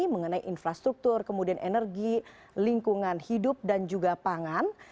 mengenai infrastruktur kemudian energi lingkungan hidup dan juga pangan